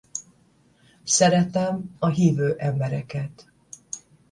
Szeretem a hívő embereket.